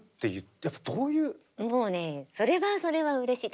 もうねそれはそれはうれしい。